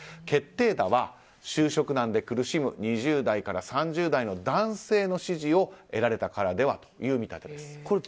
決定打は就職難で苦しむ２０代から３０代の男性の支持を得られたからではという見立て。